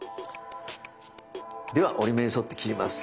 では折り目に沿って切ります。